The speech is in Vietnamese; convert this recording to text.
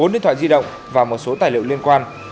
bốn điện thoại di động và một số tài liệu liên quan